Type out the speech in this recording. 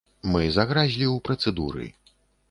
Мы загразлі ў працэдуры.